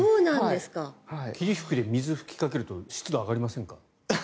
霧吹きで水を吹きかけると湿度が上がりませんか？